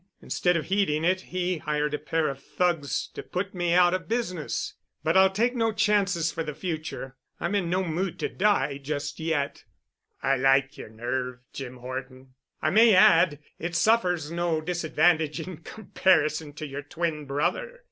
Instead of heeding it, he hired a pair of thugs to put me out of business. But I'll take no chances for the future. I'm in no mood to die just yet." "I like yer nerve, Jim Horton. I may add, it suffers no disadvantage in comparison to yer twin brother."